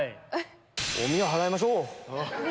おみや払いましょう。